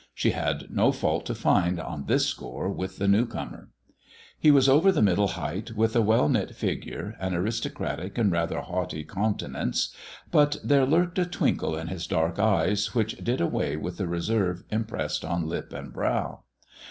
She had no fault to find on this score with the new comer. He was over the middle height, with a well knit figure, an aristocratic and rather haughty countenance ; but there lurked a twinkle in his dark eyes which did away with the reserve impressed on lip and brow.